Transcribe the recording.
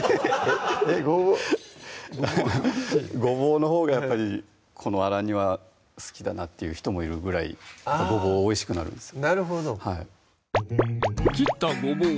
ごぼうごぼうのほうがやっぱりこのあら煮は好きだなっていう人もいるぐらいごぼうおいしくなるんですよ